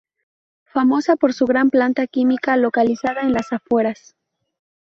Famosa por su gran planta química, localizada en las afueras.